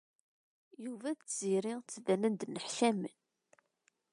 Yuba d Tiziri ttbanen-d nneḥcamen.